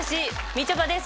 みちょぱです。